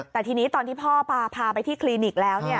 แต่ทีนี้ตอนที่พ่อพาไปที่คลินิกแล้ว